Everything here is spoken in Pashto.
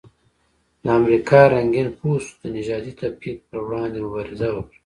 د امریکا رنګین پوستو د نژادي تفکیک پر وړاندې مبارزه وکړه.